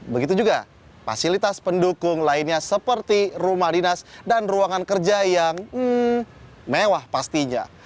begitu juga fasilitas pendukung lainnya seperti rumah dinas dan ruangan kerja yang mewah pastinya